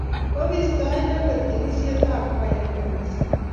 Mabistoi inendet tyenisietab kwaya eng' kaniset.